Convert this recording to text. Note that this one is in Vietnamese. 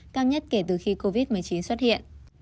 cao nhất kể từ khi covid một mươi chín xuất hiện